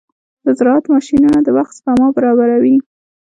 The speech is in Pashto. د زراعت ماشينونه د وخت سپما برابروي.